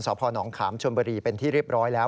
สพนขามชนบุรีเป็นที่เรียบร้อยแล้ว